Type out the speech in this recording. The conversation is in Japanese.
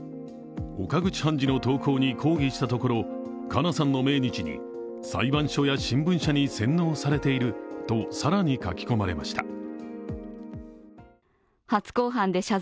岡口判事の投稿に抗議したところ、加奈さんの命日に裁判所や新聞社に洗脳されていると更に書き込まれました。